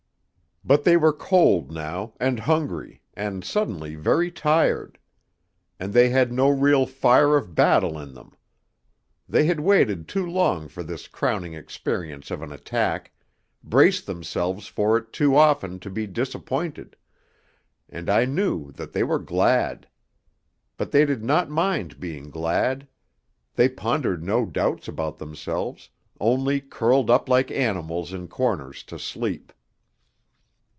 But they were cold now, and hungry, and suddenly very tired; and they had no real fire of battle in them; they had waited too long for this crowning experience of an attack, braced themselves for it too often to be disappointed; and I knew that they were glad. But they did not mind being glad; they pondered no doubts about themselves, only curled up like animals in corners to sleep....